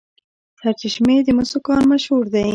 د سرچشمې د مسو کان مشهور دی.